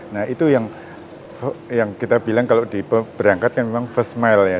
nah itu yang kita bilang kalau diberangkatkan memang first mile ya